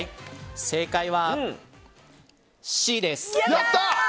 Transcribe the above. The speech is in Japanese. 正解はＣです。